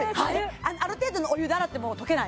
ある程度のお湯で洗っても溶けない？